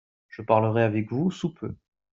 Je parlerai avec vous sous peu.